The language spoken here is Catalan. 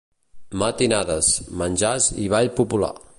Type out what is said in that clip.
Matinades, menjars i ball popular.